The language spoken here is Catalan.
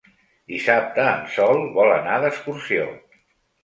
Dissabte en Sol vol anar d'excursió.